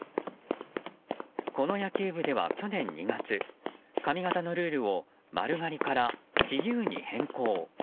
この野球部では去年２月髪形のルールを丸刈りから自由に変更。